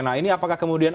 nah ini apakah kemudian